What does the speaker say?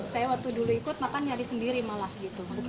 saya waktu dulu ikut makan nyari sendiri malah gitu